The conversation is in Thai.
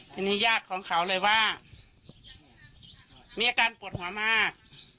ทีนี้ญาติของเขาเลยว่ามีอาการปวดหัวมาก